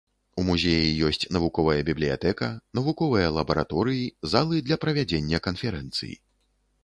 У музеі ёсць навуковая бібліятэка, навуковыя лабараторыі, залы для правядзення канферэнцый.